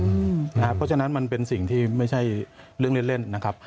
เพราะฉะนั้นมันเป็นสิ่งที่ไม่ใช่เรื่องเล่นนะครับ